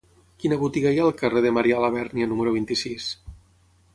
Quina botiga hi ha al carrer de Marià Labèrnia número vint-i-sis?